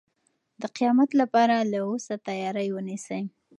د قیامت لپاره له اوسه تیاری ونیسئ.